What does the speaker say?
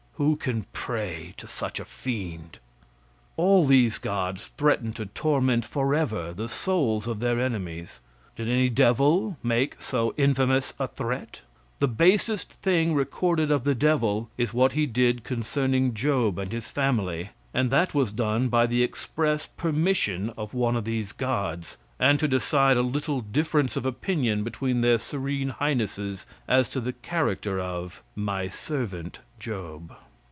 Who can pray to such a fiend? All these gods threatened to torment forever the souls of their enemies. Did any devil ever make so infamous a threat? The basest thing recorded of the devil, is what he did concerning job and his family, and that was done by the express permission of one of these gods and to decide a little difference of opinion between their serene highnesses as to the character of "my servant Job."